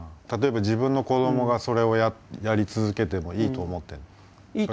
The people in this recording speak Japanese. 例えば自分の子どもがそれをやり続けてもいいと思ってるの？